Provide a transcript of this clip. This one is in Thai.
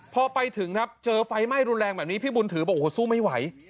พอไปถึงครับเจอไฟไหม้รุนแรงแบบนี้พี่บุญถือบอกโอ้โหสู้ไม่ไหว